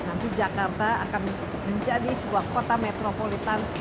nanti jakarta akan menjadi sebuah kota metropolitan